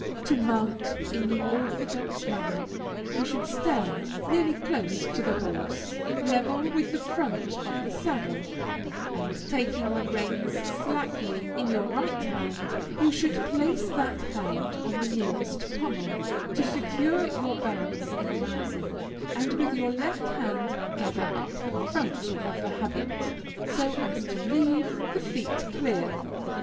To mount in the orthodox manner, you should stand nearly close to the horse, level with the front of the saddle, and taking the reins slackly in your right hand, you should place that hand on the nearest pommel, to secure your balance in rising, and with your left hand gather up the front of the habit, so as to leave the feet clear.